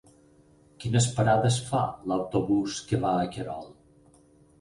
Quines parades fa l'autobús que va a Querol?